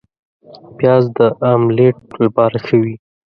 پیاز د املیټ لپاره ښه وي